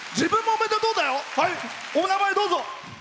お名前、どうぞ。